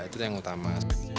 itu yang utama